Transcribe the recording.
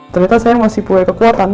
ternyata saya masih punya kekuatan